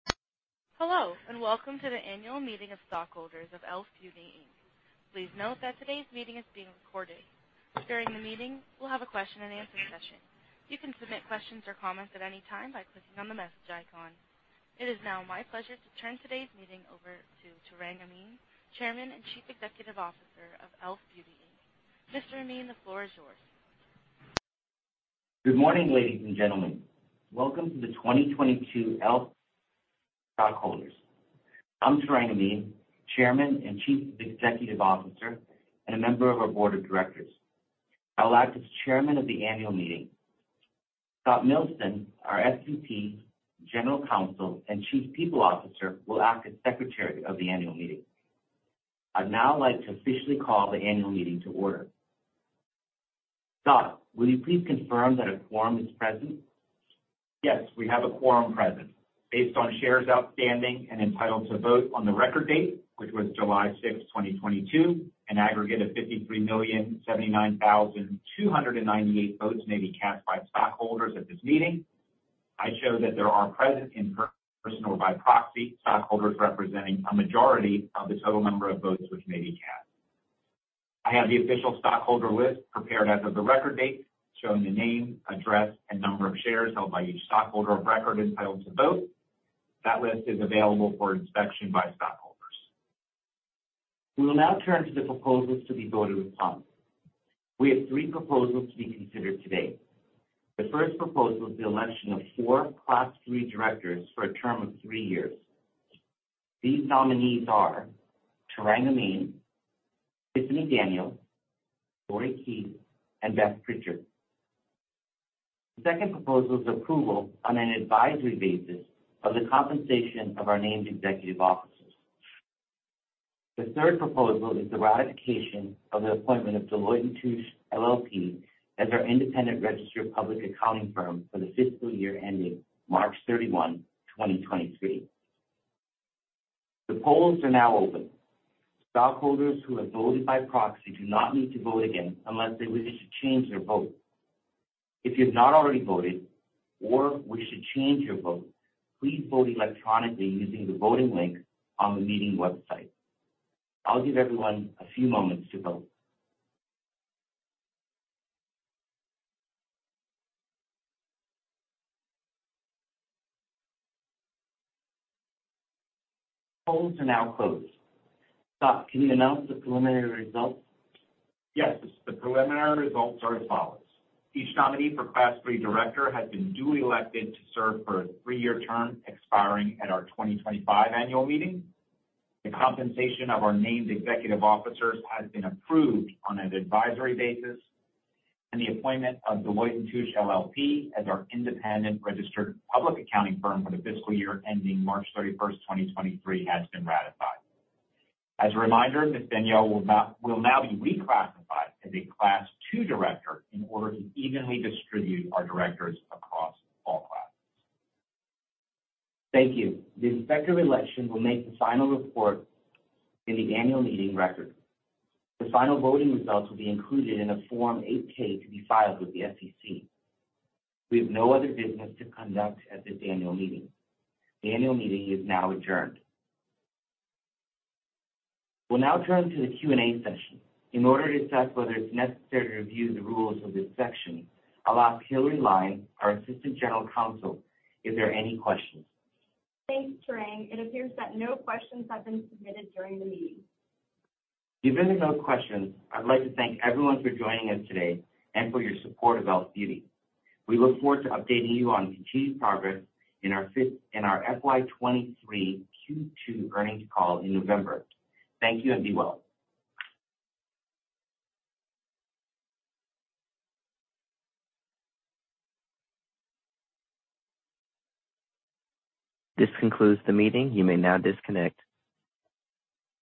Hello, and Welcome to the Annual Meeting of Stockholders of e.l.f. Beauty, Inc. Please note that today's meeting is being recorded. During the meeting, we'll have a question and answer session. You can submit questions or comments at any time by clicking on the message icon. It is now my pleasure to turn today's meeting over to Tarang Amin, Chairman and Chief Executive Officer of e.l.f. Beauty, Inc. Mr. Amin, the floor is yours. Good morning, ladies and gentlemen. Welcome to the 2022 e.l.f. stockholders. I'm Tarang Amin, Chairman and Chief Executive Officer, and a member of our Board of Directors. I'll act as Chairman of the Annual Meeting. Scott Milsten, our SVP, General Counsel, and Chief People Officer, will act as Secretary of the Annual Meeting. I'd now like to officially call the Annual Meeting to order. Scott, will you please confirm that a quorum is present? Yes, we have a quorum present. Based on shares outstanding and entitled to vote on the record date, which was July 6, 2022, an aggregate of 53,079,298 votes may be cast by stockholders at this meeting. I show that there are present in person or by proxy, stockholders representing a majority of the total number of votes which may be cast. I have the official stockholder list prepared as of the record date, showing the name, address, and number of shares held by each stockholder of record entitled to vote. That list is available for inspection by stockholders. We will now turn to the proposals to be voted upon. We have three proposals to be considered today. The first proposal is the election of four Class III directors for a term of three years. These nominees are Tarang Amin, Tiffany Daniele, Lori Keith, and Beth Pritchard. The second proposal is approval on an advisory basis of the compensation of our named executive officers. The third proposal is the ratification of the appointment of Deloitte & Touche LLP as our independent registered public accounting firm for the fiscal year ending March 31, 2023. The polls are now open. Stockholders who have voted by proxy do not need to vote again unless they wish to change their vote. If you've not already voted or wish to change your vote, please vote electronically using the voting link on the meeting website. I'll give everyone a few moments to vote. The polls are now closed. Scott, can you announce the preliminary results? Yes. The preliminary results are as follows. Each nominee for Class III director has been duly elected to serve for a three-year term expiring at our 2025 annual meeting. The compensation of our named executive officers has been approved on an advisory basis, and the appointment of Deloitte & Touche LLP as our independent registered public accounting firm for the fiscal year ending March 31, 2023, has been ratified. As a reminder, Tiffany Daniele will now be reclassified as a Class II director in order to evenly distribute our directors across all classes. Thank you. The Inspector of Election will make the final report in the annual meeting record. The final voting results will be included in a Form 8-K to be filed with the SEC. We have no other business to conduct at this annual meeting. The annual meeting is now adjourned. We'll now turn to the Q&A session. In order to discuss whether it's necessary to review the rules of this section, I'll ask Hillary Lyon, our Assistant General Counsel, if there are any questions. Thanks, Tarang. It appears that no questions have been submitted during the meeting. Given there are no questions, I'd like to thank everyone for joining us today and for your support of e.l.f. Beauty. We look forward to updating you on continued progress in our FY 2023 Q2 earnings call in November. Thank you, and be well. This concludes the meeting. You may now disconnect.